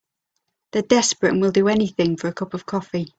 They're desperate and will do anything for a cup of coffee.